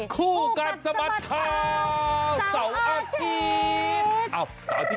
คู่กัดสบัดข่าวเส้าอาทิตย์สบัดข่าวเส้าอาทิตย์